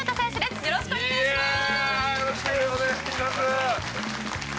いやよろしくお願いします！